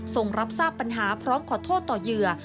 รับทราบปัญหาพร้อมขอโทษต่อเหยื่อ